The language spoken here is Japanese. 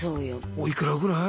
おいくらぐらい？